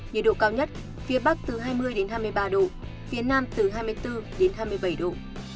nhiệt độ cao nhất phía bắc từ hai mươi hai mươi ba độ phía nam từ hai mươi bốn đến hai mươi bảy độ